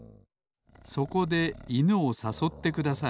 そこでいぬをさそってください